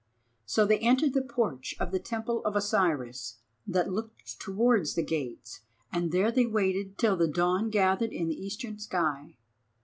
So they entered the porch of the Temple of Osiris that looked towards the gates, and there they waited till the dawn gathered in the eastern sky.